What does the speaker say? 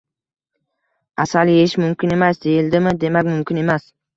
«Asal yeyish mumkin emas», deyildimi, demak mumkin emas.